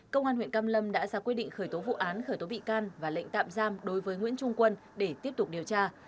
công an huyện cam lâm đã ra quyết định khởi tố vụ án khởi tố bị can và lệnh tạm giam đối với nguyễn trung quân để tiếp tục điều tra